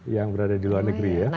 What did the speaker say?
yang berada di luar negeri ya